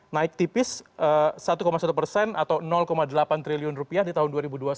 naik tipis satu satu persen atau delapan triliun rupiah di tahun dua ribu dua puluh satu